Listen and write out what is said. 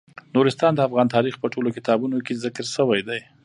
نورستان د افغان تاریخ په ټولو کتابونو کې ذکر شوی دی.